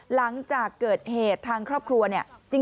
หลังจากเกิดเหตุทางครอบครัวเนี่ย